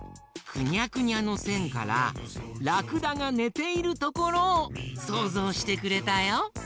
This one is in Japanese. くにゃくにゃのせんからラクダがねているところをそうぞうしてくれたよ！